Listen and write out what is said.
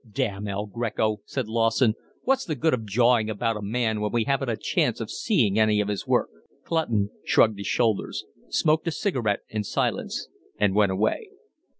"Damn El Greco," said Lawson, "what's the good of jawing about a man when we haven't a chance of seeing any of his work?" Clutton shrugged his shoulders, smoked a cigarette in silence, and went away.